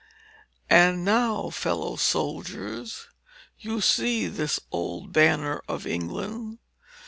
"And now, fellow soldiers, you see this old banner of England.